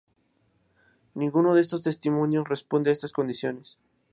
Ninguno de estos testimonios responde a estas condiciones.